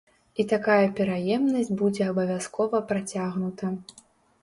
І такая пераемнасць будзе абавязкова працягнута.